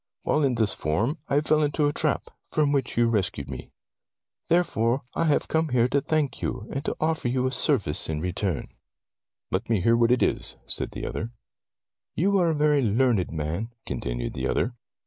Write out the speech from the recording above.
While in this form, I fell into a trap, from which you rescued me. "Therefore I have come here to thank you, and to offer you a service in return." 1 8 Tales of Modern Germany "Let me hear what it is/' said the other. "You are a very learned man," con tinued the other.